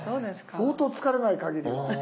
相当疲れないかぎり。